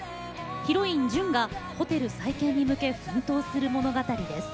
ヒロイン・純がホテル再建に向け奮闘する物語です。